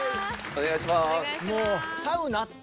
お願いします。